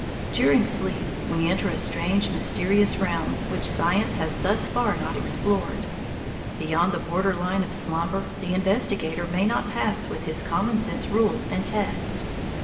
During sleep we enter a strange, mysterious realm which science has thus far not explored. Beyond the border line of slumber the investigator may not pass with his common sense rule and test.